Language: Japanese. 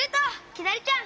きなりちゃん